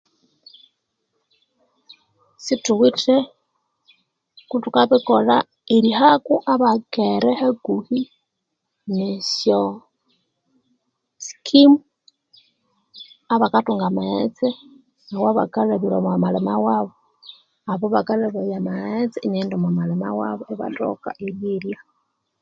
Sithuwithe kuthukabikolha erihaku amakere hakuhi ne esyo sikimu abakathunga amaghetse awabakalhabiraya omwa malima wabu abo bakalhabaya amaghetse erilhabira omwa malima wabu ibathoka eryerya